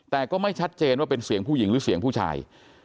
แต่ก็ไม่ชัดเจนว่าเป็นเสียงผู้หญิงหรือเสียงผู้ชาย